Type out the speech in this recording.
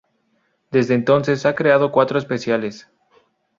Desde entonces, ha creado cuatro especiales.